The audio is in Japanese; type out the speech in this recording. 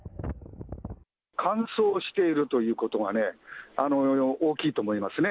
乾燥しているということがね、大きいと思いますね。